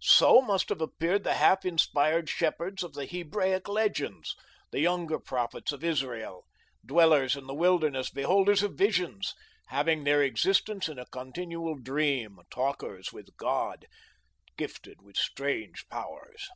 So must have appeared the half inspired shepherds of the Hebraic legends, the younger prophets of Israel, dwellers in the wilderness, beholders of visions, having their existence in a continual dream, talkers with God, gifted with strange powers.